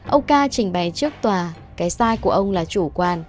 ông ca trình bày trước tòa cái sai của ông là chủ quan